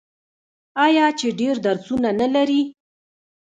آیا چې ډیر درسونه نلري؟